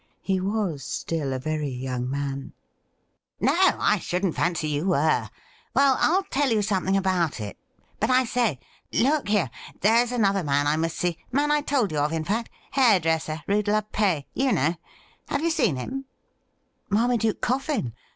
He was still a very young man. 'No, I shouldn't fancy you were. Well, I'll tell you something about it. But I say — look here — there's another man I must see — man I told you of, in fact — ^hairdresser, Rue de la Pais — ymi know. Have you seen him T 'Marmaduke Coffin?